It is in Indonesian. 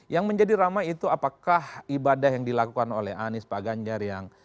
yang menjadi ramai itu apakah ibadah yang dilakukan oleh anies pak ganjar yang